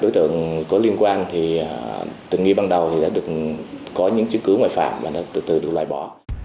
đối tượng có liên quan thì từ nghi ban đầu thì đã có những chứng cứ ngoại phạm và nó từ từ được loại bỏ